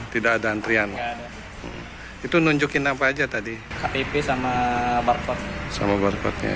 tidak ada antrian itu nunjukin apa aja tadi sama sama